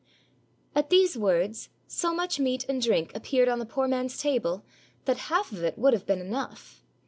At these words, so much meat and drink appeared on the poor man's table that half of it would have been enough.